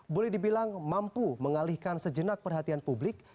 boleh dibilang mampu mengalihkan sejenak perhatian publik